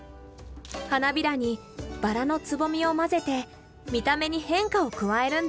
花びらにバラのつぼみを混ぜて見た目に変化を加えるんだ。